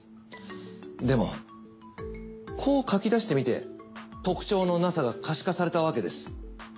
でもこう書き出してみて特徴のなさが可視化されたわけです。